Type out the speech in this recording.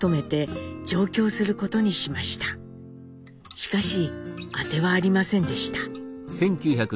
しかし当てはありませんでした。